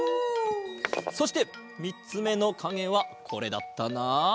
そしてみっつめのかげはこれだったな。